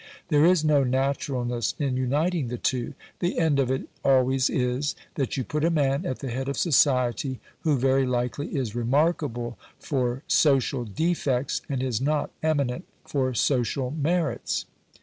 There is no naturalness in uniting the two; the end of it always is, that you put a man at the head of society who very likely is remarkable for social defects, and is not eminent for social merits.